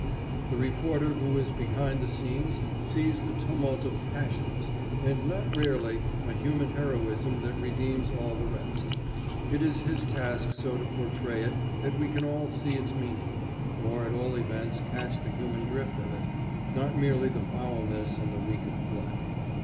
The reporter who is behind the scenes sees the tumult of passions, and not rarely a human heroism that redeems all the rest. It is his task so to portray it that we can all see its meaning, or at all events catch the human drift of it, not merely the foulness and the reek of blood.